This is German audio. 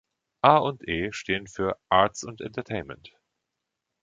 "A und E" stehen für "Arts und Entertainment".